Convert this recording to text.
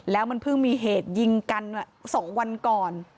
แล้วมันเพิ่งมีเหตุยิงกัน๒วันก่อน